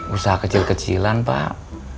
usaha kecil kecilan pak